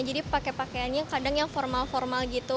jadi pake pakaiannya kadang yang formal formal gitu